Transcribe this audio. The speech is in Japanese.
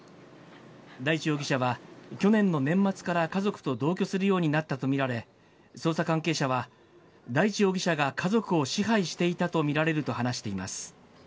大地容疑者は、去年の年末から家族と同居するようになったと見られ、捜査関係者は、大地容疑者が家族を支配していたと見られると話しています。